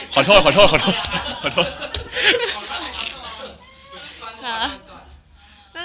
จะรักเธอเพียงคนเดียว